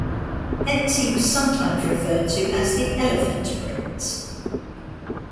Hence, he was sometimes referred to as "the Elephant Prince".